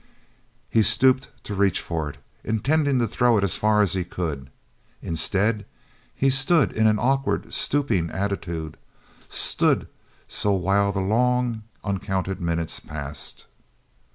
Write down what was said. He stooped to reach for it, intending to throw it as far as he could. Instead he stood in an awkward stooping attitude—stood so while the long uncounted minutes passed....